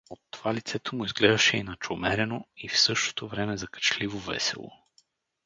От това лицето му изглеждаше и начумерено, и, в същото време, закачливо весело.